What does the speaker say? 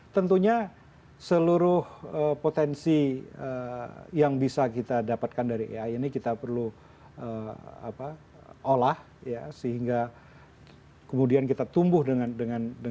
tentunya seluruh potensi yang bisa kita dapatkan dari ai ini kita perlu apa olah ya sehingga kita bisa menghasilkan